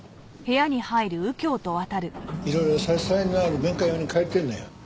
いろいろ差し障りのある面会用に借りてるのよ。